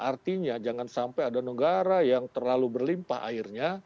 artinya jangan sampai ada negara yang terlalu berlimpah airnya